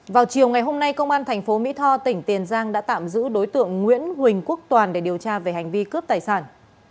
vào chiều ngày hôm nay công an thành phố mỹ tho tỉnh tiền giang đã tạm giữ đối tượng nguyễn huỳnh quốc toàn để điều tra về hành vi cướp tài sản